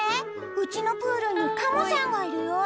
うちのプールにカモさんがいるよ。